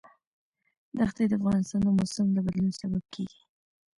ښتې د افغانستان د موسم د بدلون سبب کېږي.